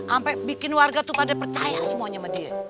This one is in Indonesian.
sampai bikin warga tuh pada percaya semuanya sama dia